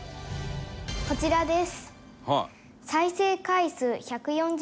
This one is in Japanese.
こちらです。